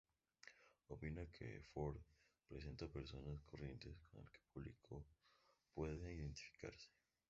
Opina que Ford presenta personas corrientes con las que el público puede identificarse.